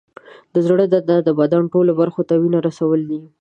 د زړه دنده د بدن ټولو برخو ته وینه رسول دي.